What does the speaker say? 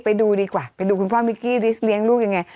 ไปดูดีกว่าไปดูคุณพ่อมิกกี้ดิสเลี้ยงลูกยังไง